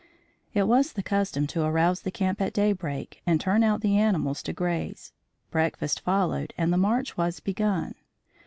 It was the custom to arouse the camp at daybreak and turn out the animals to graze; breakfast followed and the march was begun.